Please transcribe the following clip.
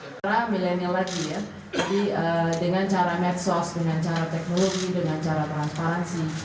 dengan cara millennial lagi ya dengan cara medsos dengan cara teknologi dengan cara transparansi